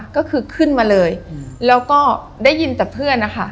ก็คือขึ้นมาเลยแล้วก็ได้ยินแต่เพื่อนนะคะ